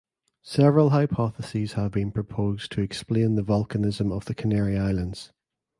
Several hypotheses have been proposed to explain the volcanism of the Canary Islands.